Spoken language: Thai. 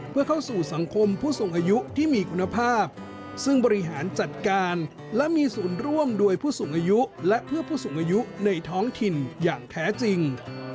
เพื่อเข้าสู่สังคมผู้สูงอายุที่มีคุณภาพซึ่งบริหารจัดการและมีศูนย์ร่วมโดยผู้สูงอายุและเพื่อผู้สูงอายุในท้องถิ่นอย่างแท้จริง